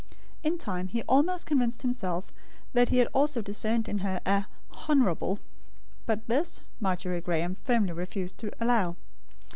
In time he almost convinced himself that he had also discerned in her "a Honourable"; but this, Margery Graem firmly refused to allow.